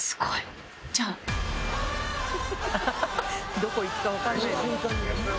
どこ行くかわかんないのに。